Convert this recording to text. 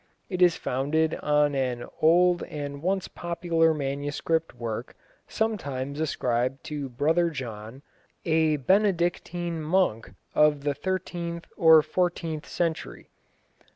It is founded on an old and once popular manuscript work sometimes ascribed to Brother John, a Benedictine monk of the thirteenth or fourteenth century.